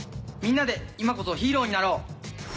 みんなで今こそヒーローになろう！